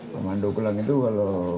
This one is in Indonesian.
pamandoklang itu kalau